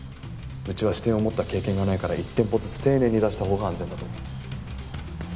うちは支店を持った経験がないから１店舗ずつ丁寧に出したほうが安全だと思う。